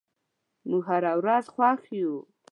موږ هره ورځ خوښ یو.